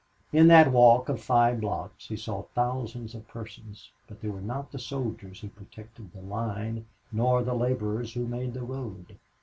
In that walk of five blocks he saw thousands of persons, but they were not the soldiers who protected the line, nor the laborers who made the road.